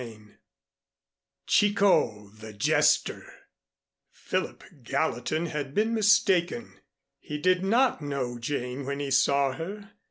VIII CHICOT, THE JESTER Philip Gallatin had been mistaken. He did not know Jane when he saw her.